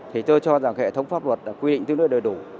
thì tôi cho rằng hệ thống pháp luật đã quy định tương đối đầy đủ